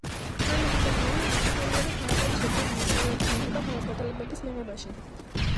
ქალებმა და გოგოებმა სრულად და თანაბრად შეძლონ მონაწილეობის მიღება გადაწყვეტილებების მიღებაში.